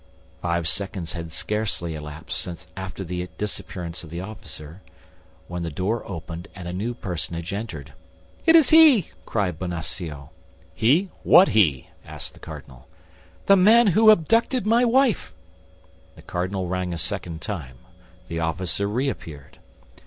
Five seconds has scarcely elapsed after the disappearance of the officer, when the door opened, and a new personage entered. "It is he!" cried Bonacieux. "He! What he?" asked the cardinal. "The man who abducted my wife." The cardinal rang a second time. The officer reappeared.